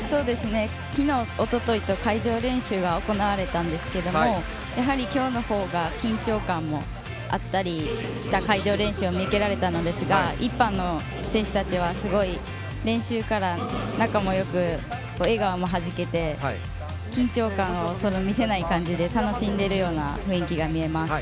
昨日、おとといと会場練習が行われたんですがやはり今日の方が緊張感もあったりした会場練習が見受けられたんですが１班の選手たちはすごい練習から仲もよく笑顔もはじけて緊張感を見せない感じで楽しんでいるような雰囲気が見えます。